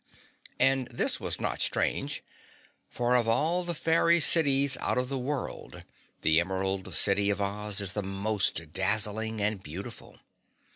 And this was not strange, for of all the fairy cities out of the world, the Emerald City of Oz is the most dazzling and beautiful.